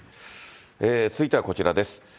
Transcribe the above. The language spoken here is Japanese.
続いてはこちらです。